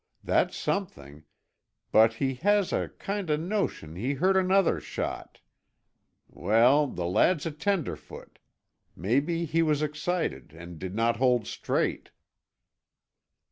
That's something; but he has a kind o' notion he heard another shot. Weel, the lad's a tenderfoot. Maybe he was excited and did not hold straight."